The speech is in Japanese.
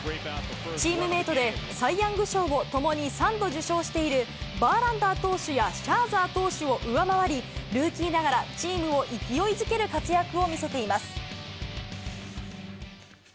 チームメートでサイ・ヤング賞をともに３度受賞しているバーランダー投手やシャーザー投手を上回り、ルーキーながら、チームを勢いづける活躍を見せています。